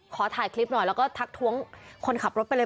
ขอถ่ายคลิปหน่อยแล้วก็ทักท้วงคนขับรถไปเลย